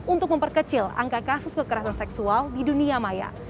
untuk memperkecil angka kasus kekerasan seksual di dunia maya